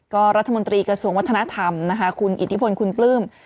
ก็รัฐมนตรีกระทรวงวัฒนธรรมนะคะคุณอิทธิพลคุณปลื้ม